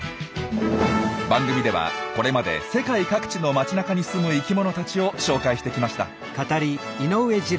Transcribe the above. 番組ではこれまで世界各地の街なかに住む生きものたちを紹介してきました。